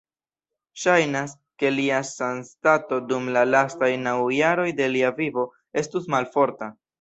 Ŝajnas, ke lia sanstato dum la lastaj naŭ jaroj de lia vivo estus malforta.